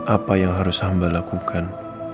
apa yang harus hamba lakukan